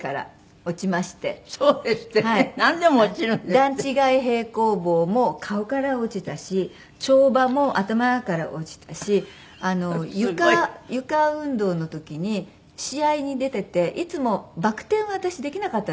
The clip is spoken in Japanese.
段違い平行棒も顔から落ちたし跳馬も頭から落ちたし床運動の時に試合に出てていつもバク転は私できなかったんです